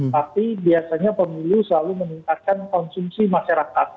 tapi biasanya pemilu selalu meningkatkan konsumsi masyarakat